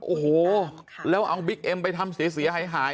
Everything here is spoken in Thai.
โอ้โหแล้วเอาบิ๊กเอ็มไปทำเสียหายหาย